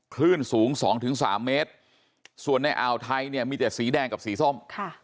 คลื่นสูง๒๓เมตรส่วนในอ่าวไทยเนี่ยมีแต่สีแดงกับสีส้ม